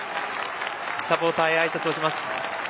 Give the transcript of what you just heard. サポーターにあいさつをします。